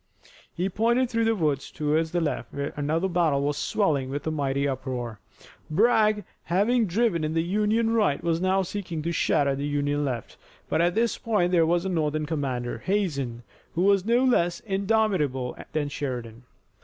He pointed through the woods toward the left where another battle was swelling with a mighty uproar. Bragg having driven in the Union right was now seeking to shatter the Union left, but at this point there was a Northern commander, Hazen, who was no less indomitable than Sheridan.